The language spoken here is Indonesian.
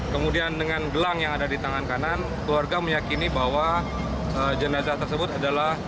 kemudian dengan gelang yang ada di tangan kanan keluarga meyakini bahwa jenazah tersebut adalah